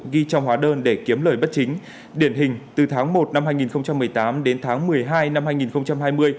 ghi trong hóa đơn để kiếm lời bất chính điển hình từ tháng một năm hai nghìn một mươi tám đến tháng một mươi hai năm hai nghìn hai mươi